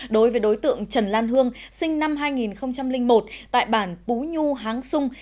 đối với đối tượng trần lan hương sinh năm hai nghìn một tại bản pú nhu háng sung